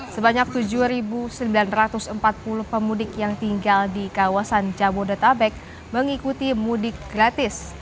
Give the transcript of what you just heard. sebanyak tujuh sembilan ratus empat puluh pemudik yang tinggal di kawasan jabodetabek mengikuti mudik gratis